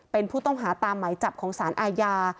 เป็นผู้ต้องหาตามหมายจับของสารอาญา